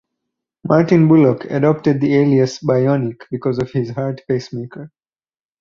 Martin Bulloch adopted the alias bionic because of his heart pacemaker.